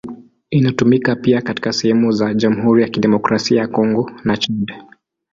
Inatumika pia katika sehemu za Jamhuri ya Kidemokrasia ya Kongo na Chad.